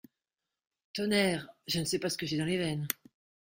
Tonnerre ! je ne sais pas ce que j'ai dans les veines.